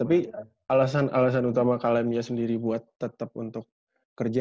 tapi alasan alasan utama kalemia sendiri buat tetap untuk kerja